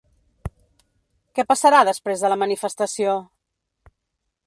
Què passarà després de la manifestació?